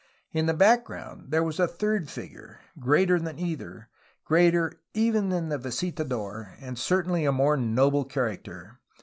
In the background there was a third figure, greater than either, greater even than the visitador — and certainly a more noble character.